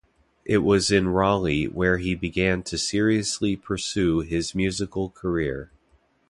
It was in Raleigh where he began to seriously pursue his musical career.